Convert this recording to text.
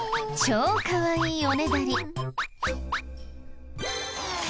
超かわいいおねだり。